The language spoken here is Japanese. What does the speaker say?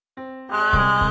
あ。